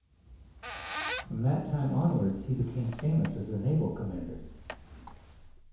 From that time onwards, he became famous as a naval commander.